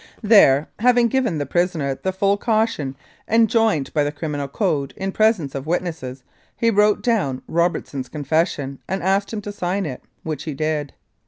There, having given the prisoner the full caution enjoined by the Criminal Code in presence of witnesses, he wrote down Robertson's confession and asked him to sign it, which he did.